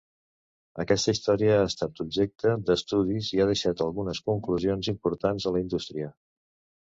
Aquesta història ha estat objecte d'estudis i ha deixat algunes conclusions importants a la indústria.